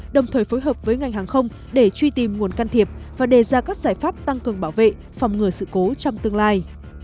đồng thời phối hợp với ngành hàng không để truy tìm nguồn can thiệp và đề ra các giải pháp tăng cường bảo vệ phòng ngừa sự cố trong tương lai